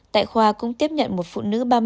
tại khoa cũng tiếp nhận một phụ nữ